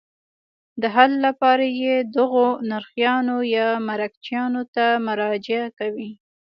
د حل لپاره یې دغو نرخیانو یا مرکچیانو ته مراجعه کوي.